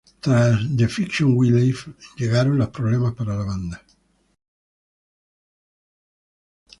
Tras "The Fiction We Live" llegaron los problemas para la banda.